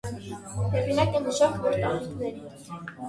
Հեղինակ է մի շարք նոր տաղիիկների։